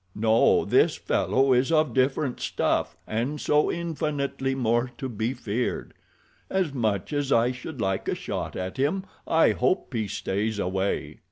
No, this fellow is of different stuff—and so infinitely more to be feared. As much as I should like a shot at him I hope he stays away.